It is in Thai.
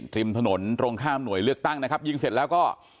ริมถนนตรงข้ามหน่วยเลือกตั้งนะครับยิงเสร็จแล้วก็